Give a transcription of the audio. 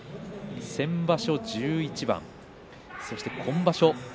先場所１１番、そして今場所